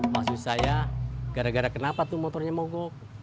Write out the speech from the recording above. maksud saya gara gara kenapa tuh motornya mogok